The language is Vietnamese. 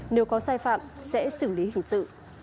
nếu có sai phạm sẽ xử lý hình sự